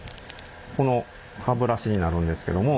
この歯ブラシになるんですけども。